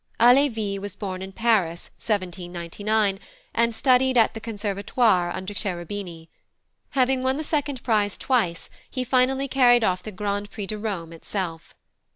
Halévy was born in Paris, 1799, and studied at the Conservatoire under Cherubini. Having won the second prize twice, he finally carried off the Grand Prix de Rome itself.